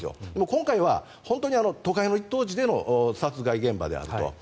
今回は本当に都会の一等地での殺害現場であると。